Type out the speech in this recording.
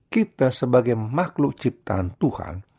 kita sebagai makhluk ciptaan tuhan